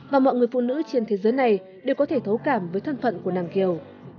và mọi người phụ nữ trên thế giới này đều có thể thấu cảm với thân phận của nàng kiều